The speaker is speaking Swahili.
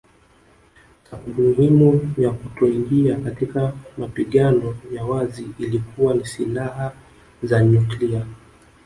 Sababu muhimu ya kutoingia katika mapigano ya wazi ilikuwa ni silaha za nyuklia